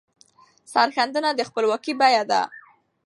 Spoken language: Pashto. سرښندنه د خپلواکۍ بیه ده.